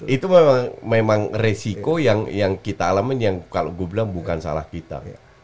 itu memang resiko yang kita alamin yang kalau gue bilang bukan salah kita